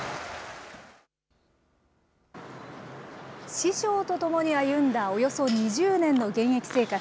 師匠と共に歩んだおよそ２０年の現役生活。